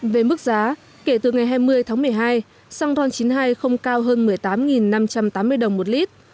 về mức giá kể từ ngày hai mươi tháng một mươi hai xăng ron chín mươi hai không cao hơn một mươi tám năm trăm tám mươi đồng một lít